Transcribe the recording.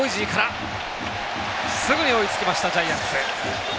すぐに追いつきましたジャイアンツ。